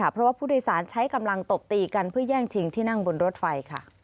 เพราะว่าผู้โดยสารใช้กำลังตบตีกันเพื่อแย่งชิงที่นั่งบนรถไฟ